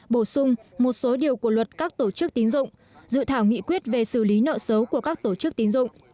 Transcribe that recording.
bổ sung một số điều của luật các tổ chức tín dụng dự thảo nghị quyết về xử lý nợ xấu của các tổ chức tín dụng